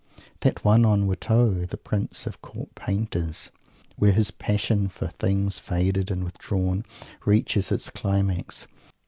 That one on Watteau, the Prince of Court Painters, where his passion for things faded and withdrawn reaches its climax.